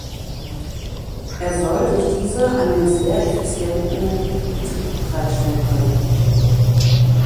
Er soll durch diese einen sehr effizienten Betrieb bereitstellen können.